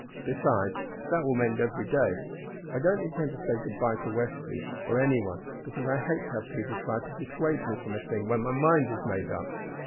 Besides, that will mend every day. I don't intend to say goodbye to Westly or any one, because I hate to have people try to dissuade me from a thing when my mind is made up.